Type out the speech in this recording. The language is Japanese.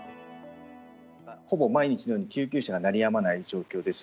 ほぼ毎日のように、救急車が鳴りやまない状況です。